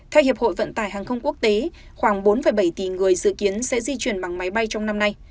theo hiệp hội vận tải hàng không quốc tế khoảng bốn bảy tỷ người dự kiến sẽ di chuyển bằng máy bay trong năm nay